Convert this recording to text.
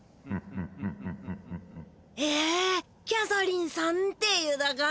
へえキャサリンさんっていうだか。